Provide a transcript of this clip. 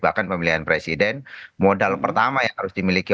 bahkan pemilihan presiden modal pertama yang harus dimiliki